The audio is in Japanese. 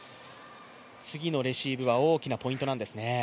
次のレシーブは大きなポイントなんですね。